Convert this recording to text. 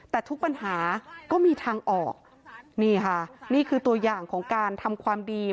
แต่ทุกปัญหาก็มีทางออกนี่ค่ะนี่คือตัวอย่างของการทำความดี